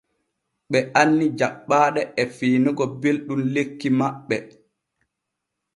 Ɓe anni jaɓɓaaɗe e fiinugo belɗum lekki maɓɓe.